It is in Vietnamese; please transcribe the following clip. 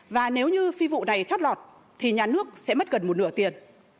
và nếu như phi vụ này chót lọt thì nhà nước sẽ mất gần một nửa tiền